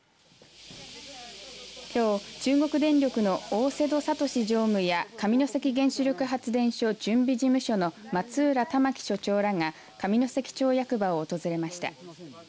きょう中国電力の大瀬戸聡常務や上関原子力発電所準備事務所の松浦圭記所長らが上関町役場を訪れました。